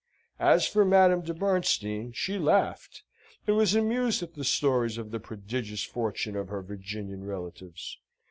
As for Madame de Bernstein, she laughed, and was amused at the stories of the prodigious fortune of her Virginian relatives.